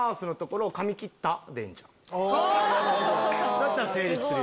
だったら成立するよ。